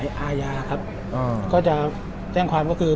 ก็จะแจ้งความก็คือ